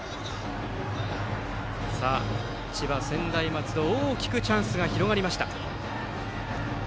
千葉・専大松戸大きくチャンスが広がりました。